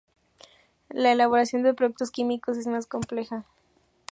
La elaboración de productos químicos es más compleja.